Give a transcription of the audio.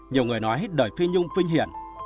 nhiều người nói đời phi nhung vinh hiển